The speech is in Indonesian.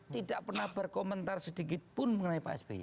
tidak pernah berkomentar sedikit pun mengenai pak sby